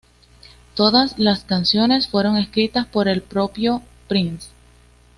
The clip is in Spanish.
Todas las canciones fueron escritas por el propio Prince.